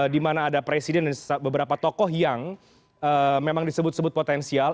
di mana ada presiden beberapa tokoh yang memang disebut sebut potensial